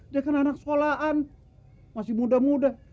dia kan anak sekolahan masih muda muda